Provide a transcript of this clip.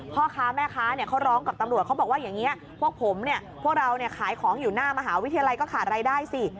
พ่อค้าแม่ค้าเขาร้องกับตำรวจเขาบอกว่าอย่างนี้พวกผมเนี่ยพวกเราขายของอยู่หน้ามหาวิทยาลัยก็ขาดรายได้สิ